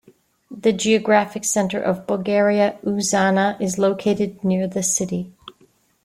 The geographic center of Bulgaria - Uzana is located near the city.